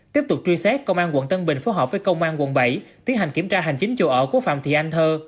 tiếp tục truy xét công an quận tân bình phối hợp với công an quận bảy tiến hành kiểm tra hành chính chủ ở của phạm thị anh thơ